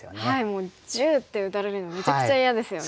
もう⑩って打たれるのめちゃくちゃ嫌ですよね。